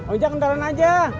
ojak kendaraan aja